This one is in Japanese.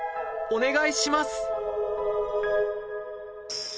お願いします